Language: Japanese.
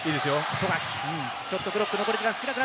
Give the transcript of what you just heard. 富樫。